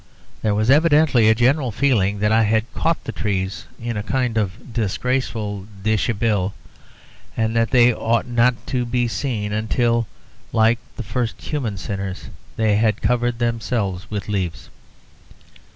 There was evidently a general feeling that I had caught the trees in a kind of disgraceful deshabille, and that they ought not to be seen until, like the first human sinners, they had covered themselves with leaves.